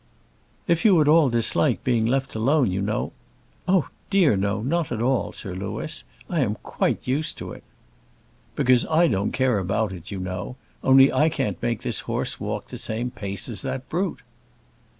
"If you at all dislike being left alone, you know " "Oh dear no, not at all, Sir Louis. I am quite used to it." "Because I don't care about it, you know; only I can't make this horse walk the same pace as that brute."